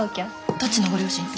どっちのご両親と？